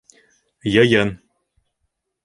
Йыйын!